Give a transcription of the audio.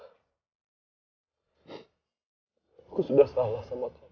aku sudah salah sama kamu